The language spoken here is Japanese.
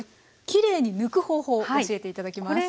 きれいに抜く方法を教えて頂きます。